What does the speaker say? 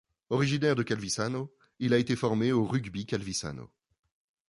Originaire de Calvisano, il a été formé au Rugby Calvisano.